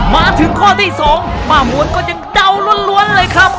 มาถึงข้อที่๒ป้าม้วนก็ยังเดาล้วนเลยครับ